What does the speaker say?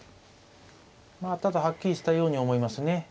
まあただはっきりしたように思いますね。